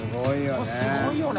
これすごいよね